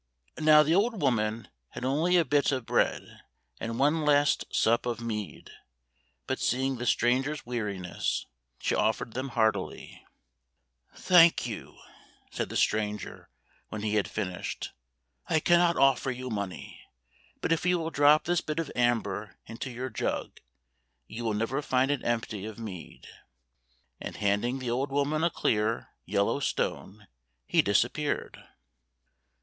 " Now the old woman had only a bit of bread, and one last sup of mead, but seeing the stranger's weariness, she offered them heartily. [ 55 ] FAVORITE FAIRY TALES RETOLD " Thank you/' said the stranger, when he had finished. " I cannot offer you money, but if you will drop this bit of amber into your jug, you will never find it empty of mead." And handing the old woman a clear, yellow stone, he disappeared.